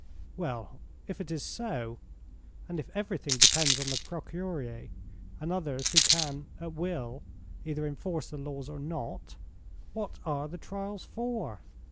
"Well, if it is so, and if everything depends on the Procureur and others who can, at will, either enforce the laws or not, what are the trials for?"